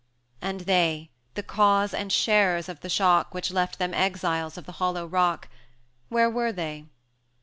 230 X. And they, the cause and sharers of the shock Which left them exiles of the hollow rock, Where were they?